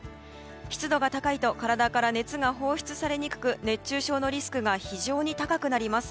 湿度が高いと体から熱が放出されにくく熱中症のリスクが非常に高くなります。